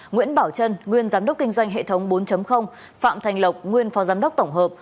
nguyễn bảo trân nguyên giám đốc kinh doanh hệ thống bốn phạm thành lộc nguyên phó giám đốc tổng hợp